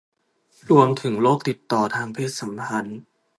รวมถึงโรคติดต่อทางเพศสัมพันธ์